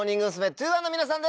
’２１の皆さんです。